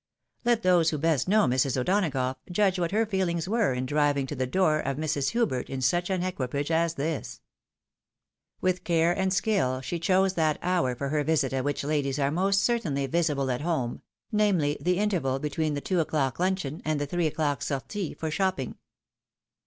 Let those who best know Mrs. O'Donagough, judge what her feelings were in driving to the door of Mrs. Hubert in such an equipage as this. With care and skill she chose that hour for her visit at which ladies are most certainly visible at home ; namely, the interval between the two o'clock luncheon, and the three o'clock sortie for shopping.